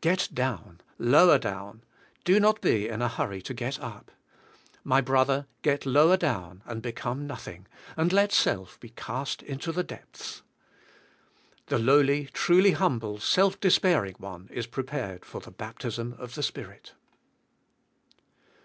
Get down, lower down! Do not be in a hurry to get up. My brother, get lower down, and become nothing, and let self be cast into the depths. The lowly, truly humble, self despairing one is prepared for the baptism of the Spirit.